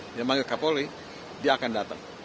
dia manggil kapolri dia akan datang